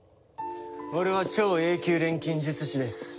俺は超Ａ級錬金術師です。